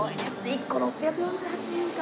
１個６４８円か。